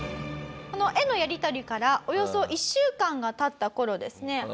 この絵のやりとりからおよそ１週間が経った頃ですね